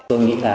tôi nghĩ là